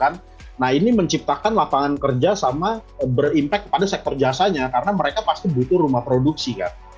nah ini menciptakan lapangan kerja sama berimpak kepada sektor jasanya karena mereka pasti butuh rumah produksi kan